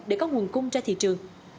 để có nguồn cung ra thị trường